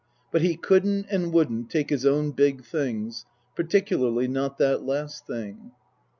But he couldn't and wouldn't take his own big things, particularly not that last thing.